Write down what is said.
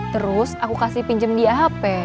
terus aku kasih pinjem dia hp